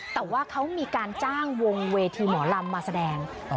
แต่ว่าเขามีการจ้างวงเวทีหมอลำมาแสดง